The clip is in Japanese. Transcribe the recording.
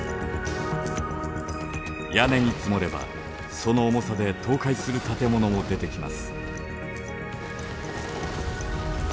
屋根に積もればその重さで倒壊する建物も出てきます。